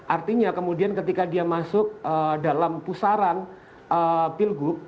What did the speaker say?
artinya kemudian ketika dia masuk dalam pusaran pilgub